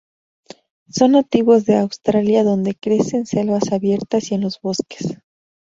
Son nativos de Australia donde crece en selvas abiertas y en los bosques.